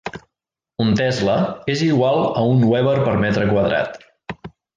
Un tesla és igual a un weber per metre quadrat.